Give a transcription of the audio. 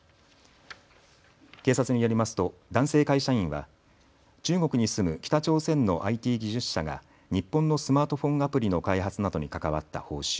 警察によりますと男性会社員は中国に住む北朝鮮のＩＴ技術者が日本のスマートフォンアプリの開発などに関わった報酬